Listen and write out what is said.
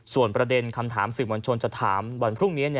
ส่วนประเด็นคำถามสื่อมวลชนจะถามวันพรุ่งนี้